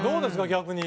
逆に。